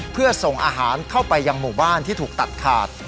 เพื่อส่งอาหารเข้าไปยังหมู่บ้านที่ถูกตัดขาด